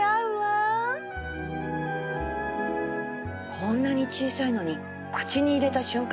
こんなに小さいのに口に入れた瞬間